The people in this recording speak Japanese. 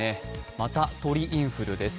また鳥インフルです。